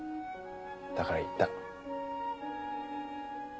だから言った。